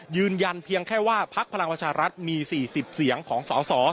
ยืนยันเพียงแค่ว่าพักพลังประชารัฐมี๔๐เสียงของสส